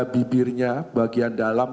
bibirnya bagian dalam